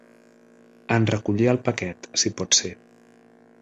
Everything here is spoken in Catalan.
En recollir el paquet, si pot ser.